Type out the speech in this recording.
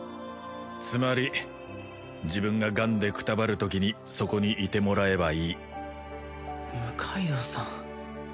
つまり自分がガンでくたばるときにそこにいてもらえばいい六階堂さん